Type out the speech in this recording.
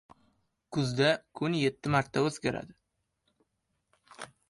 • Kuzda kun yetti marta o‘zgaradi.